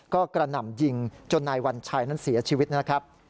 ก็กระหน่ำยิงจนนายวัญชัยนั้นเสียชีวิตนะครับ